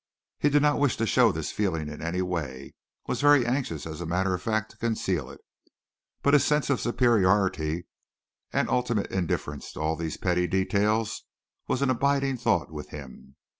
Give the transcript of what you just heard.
He did not wish to show this feeling in any way was very anxious as a matter of fact to conceal it, but his sense of superiority and ultimate indifference to all these petty details was an abiding thought with him.